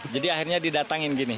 jadi akhirnya didatangin gini